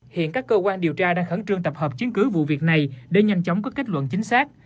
hiện các cơ quan điều tra đang khẩn trương tập hợp chứng cứ vụ việc này để nhanh chóng có kết luận chính xác